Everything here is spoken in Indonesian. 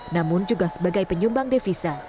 namun juga sebagai penyumbang devisa